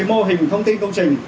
mô hình thông tin công trình